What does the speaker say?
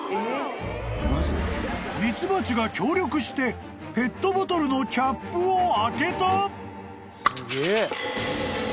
［ミツバチが協力してペットボトルのキャップを開けた！？］